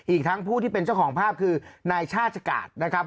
อีกทั้งผู้ที่เป็นเจ้าของภาพคือนายชาติกาศนะครับ